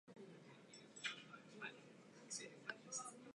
カレーライスを作ろうと思っています